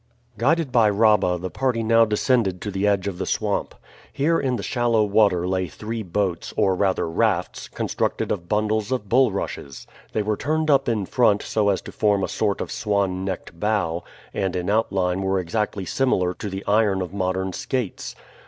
Guided by Rabah the party now descended to the edge of the swamp. Here in the shallow water lay three boats, or rather rafts, constructed of bundles of bulrushes. They were turned up in front so as to form a sort of swan necked bow, and in outline were exactly similar to the iron of modern skates.